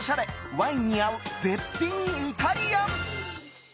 ワインに合う絶品イタリアン。